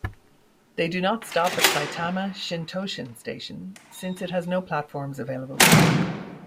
They do not stop at Saitama-Shintoshin Station since it has no platforms available.